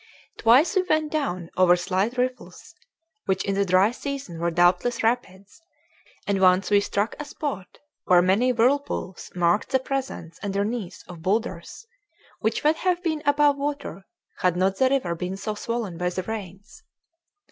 Twice we went down over slight riffles, which in the dry season were doubtless rapids; and once we struck a spot where many whirlpools marked the presence underneath of boulders which would have been above water had not the river been so swollen by the rains.